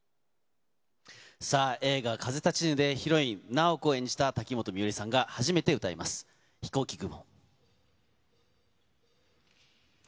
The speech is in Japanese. さあ、映画、風立ちぬでヒロイン、なおこを演じた瀧本美織さんが初めて歌います、ひこうき雲。